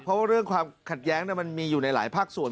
เพราะว่าเรื่องความขัดแย้งมันมีอยู่ในหลายภาคส่วน